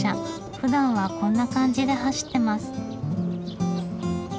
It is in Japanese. ふだんはこんな感じで走ってます。